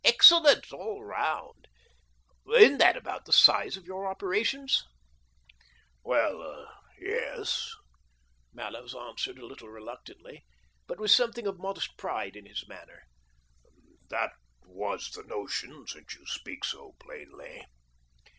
Excellent, all round ! Isn't that about the size of your operations ?" "Well, yes," Mallows answered, a little re luctantly, but with something of modest pride in his manner, "that was the notion, since you speak so plainly."